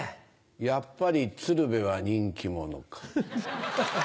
やっぱり鶴瓶は人気者か。